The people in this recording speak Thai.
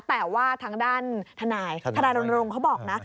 แต่ว่าทางด้านทนายทนายรณรงค์เขาบอกนะ